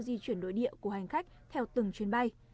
di chuyển nội địa của hành khách theo từng chuyến bay